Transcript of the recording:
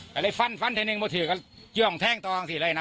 แต่เลยฟันฟันเทรนนินก์พอถือกันย่องแทงรองสิไอ้ไหนน่ะ